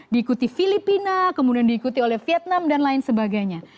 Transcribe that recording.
diikuti filipina kemudian diikuti oleh vietnam dan lain sebagainya